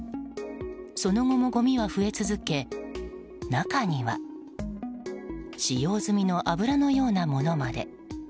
その後もごみは増え続け中には使用済みの油のようなものまで。